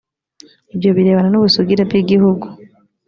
ibyo birebana n’ubusugire bw’igihugu